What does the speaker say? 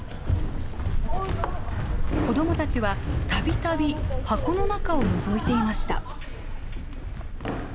子どもたちはたびたび箱の中をのぞいていました。